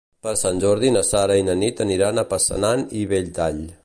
Per Sant Jordi na Sara i na Nit aniran a Passanant i Belltall.